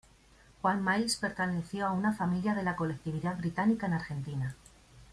Juan Miles perteneció a una familia de la colectividad británica en Argentina.